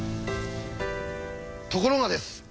ところがです。